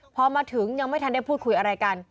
พอมาถึงยังไม่ทันได้พูดคุยอะไรกัน